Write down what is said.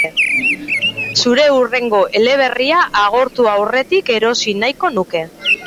Zure hurrengo eleberria agortu aurretik erosi nahiko nuke.